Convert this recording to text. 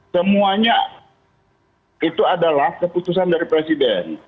semuanya itu adalah keputusan dari presiden